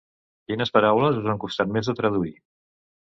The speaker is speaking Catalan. Quines paraules us han costat més de traduir?